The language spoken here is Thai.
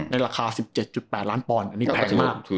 ในราคา๑๗๘ล้านปอนด์อันนี้แพงมาก